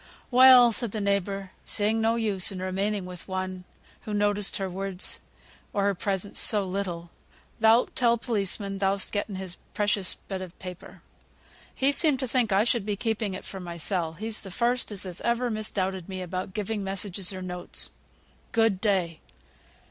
"Well!" said the neighbour, seeing no use in remaining with one who noticed her words or her presence so little; "thou'lt tell policeman thou'st getten his precious bit of paper. He seemed to think I should be keeping it for mysel; he's th' first as has ever misdoubted me about giving messages, or notes. Good day."